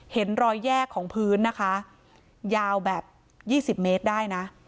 เห็นรอยแยกของพื้นนะคะยาวแบบ๒๐เมตรได้นะ